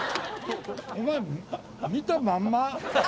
お前、見たまんま？